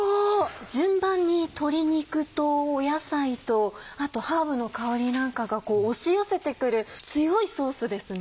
順番に鶏肉と野菜とあとハーブの香りなんかが押し寄せて来る強いソースですね。